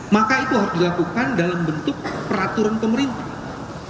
maka itu harus dilakukan dalam bentuk peraturan pemerintah